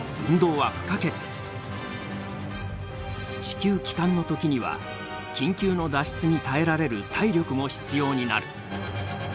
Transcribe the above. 地球帰還の時には緊急の脱出に耐えられる体力も必要になる。